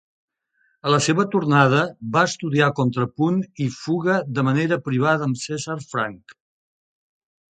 A la seva tornada, va estudiar contrapunt i fuga de manera privada amb Cesar Franck.